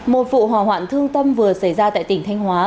một vụ hỏa hoạn thương tâm vừa xảy ra tại tỉnh thanh hóa